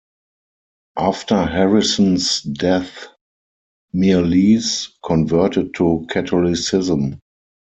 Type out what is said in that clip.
After Harrison's death, Mirrlees converted to Catholicism.